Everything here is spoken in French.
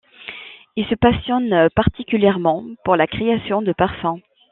Il se passione particulièrement pour la création de parfums.